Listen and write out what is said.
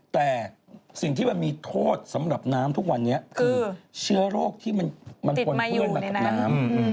แต่สิ่งที่มันมีโทษสำหรับน้ำทุกวันนี้คือเชื้อโรคที่มันปนเปื้อนมากับน้ำ